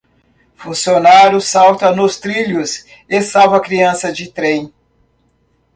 Funcionário salta nos trilhos e salva criança de trem